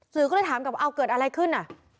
ก็เลยถามกับเอาเกิดอะไรขึ้นอ่ะ